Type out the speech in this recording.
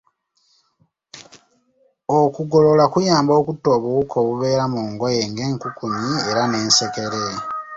Okugolola kuyamba okutta obuwuka obubeera mu ngoye ng'enkukunyi era n'ensekere.